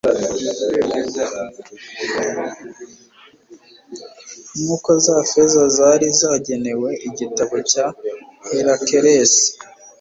nuko za feza zari zagenewe igitambo cya herakelesi